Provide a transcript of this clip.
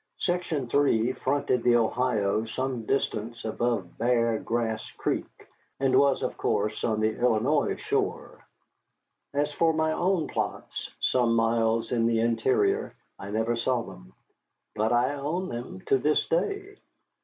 Section 3 fronted the Ohio some distance above Bear Grass Creek, and was, of course, on the Illinois shore. As for my own plots, some miles in the interior, I never saw them. But I own them to this day.